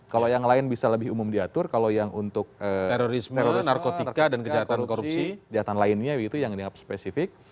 kalau yang lain bisa lebih umum diatur kalau yang untuk terorisme narkotika dan kejahatan korupsi kejahatan lainnya gitu yang dianggap spesifik